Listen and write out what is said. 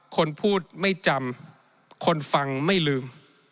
คนพูดไม่จำคนฟังไม่ลืม